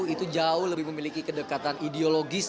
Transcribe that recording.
itu jauh lebih memiliki kedekatan ideologis